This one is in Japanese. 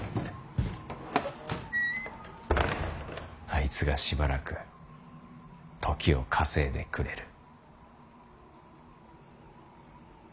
あいつがしばらく時を稼いでくれる。